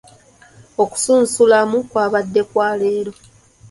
Okusunsulamu kwabadde kwa leero.